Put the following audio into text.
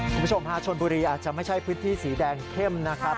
คุณผู้ชมฮะชนบุรีอาจจะไม่ใช่พื้นที่สีแดงเข้มนะครับ